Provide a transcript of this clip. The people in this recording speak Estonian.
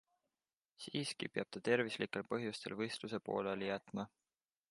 Siiski peab ta tervislikel põhjustel võistluse pooleli jätma.